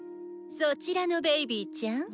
そちらのベイビーちゃん。